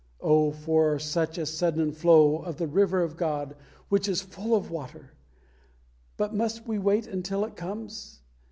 Oh for such a sudden flow of the River of God, which is full of water! But must we wait until it comes?